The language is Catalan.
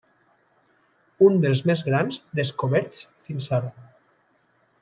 Un dels més grans descoberts fins ara.